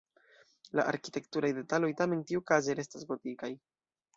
La arkitekturaj detaloj tamen tiukaze restas gotikaj.